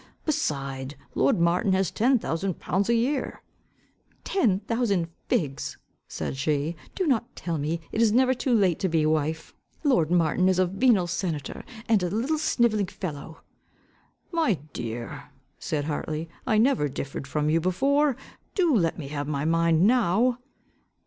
Beside, lord Martin has ten thousand pounds a year." "Ten thousand figs," said she, "do not tell me, it is never too late to be wife. Lord Martin is a venal senator, and a little sniveling fellow." "My dear," said Hartley, "I never differed from you before: do let me have my mind now."